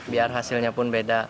biar hasilnya pun beda